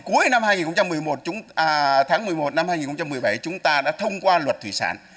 cuối năm hai nghìn một mươi một tháng một mươi một năm hai nghìn một mươi bảy chúng ta đã thông qua luật thủy sản